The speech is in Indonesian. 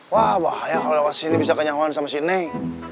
wah bahaya kalau lewat sini bisa kenyanguan sama si nei